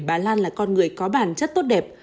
bà lan là con người có bản chất tốt đẹp